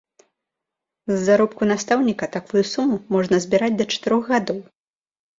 З заробку настаўніка такую суму можна збіраць да чатырох гадоў.